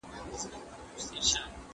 د طاووس تخت خو له تا سره ښاییږي